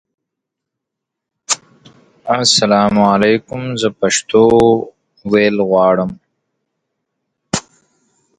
Liber', by which he became known.